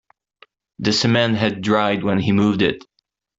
The cement had dried when he moved it.